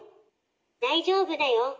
大丈夫だよ。